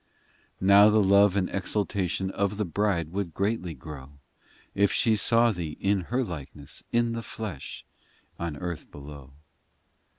VI Now the love and exultation Of the bride would greatly grow If she saw Thee in her likeness, In the flesh, on earth below.